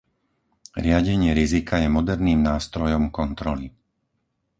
Riadenie rizika je moderným nástrojom kontroly.